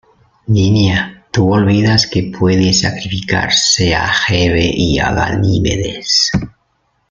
niña, tú olvidas que puede sacrificarse a Hebe y a Ganimedes.